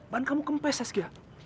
band kamu kempes saskia